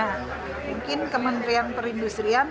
mungkin kementrian perindustrian